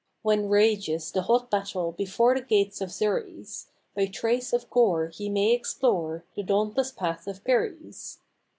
When rages the hot battle before the gates of Xeres, By trace of gore ye may explore the dauntless path of Perez.